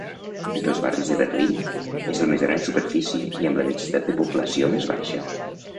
Entre els barris de Berlín, és el més gran en superfície i amb la densitat de població més baixa.